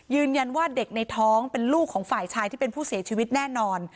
ยืนยันว่าเด็กในท้องเป็นลูกของฝ่ายชายที่เป็นผู้เสียชีวิตแน่นอน